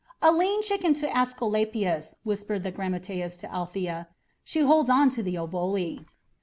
"A lean chicken to Aesculapius," whispered the grammateus to Althea. "She holds on to the oboli."